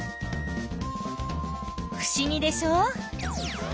ふしぎでしょ。